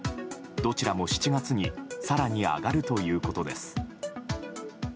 どちらも７月に更に上がるということです。